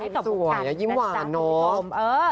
สวยยิ้มหวานเนาะ